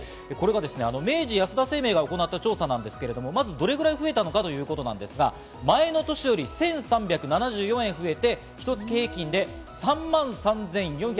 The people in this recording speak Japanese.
明治安田生命が行った調査なんですけれど、どれぐらい増えたのかということですが、前の年より１３７４円増えて、ひと月平均で３万３４３５円。